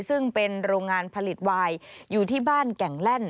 ซึ่งเป็นโรงงานผลิตวายอยู่ที่บ้านแก่งแล่น